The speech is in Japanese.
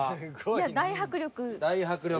いや大迫力。